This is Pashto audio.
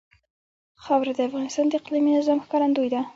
خاوره د افغانستان د اقلیمي نظام ښکارندوی ده.